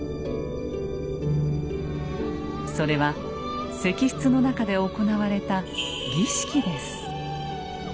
それは石室の中で行われた儀式です。